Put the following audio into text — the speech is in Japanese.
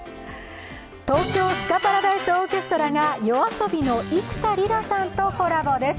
東京スカパラダイス・オーケストラがＹＯＡＳＯＢＩの幾田りらさんとコラボです。